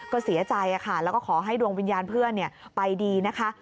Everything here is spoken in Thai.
ก็เสียใจค่ะแล้วก็ขอให้ดวงวิญญาณเพื่อนไปดีนะคะ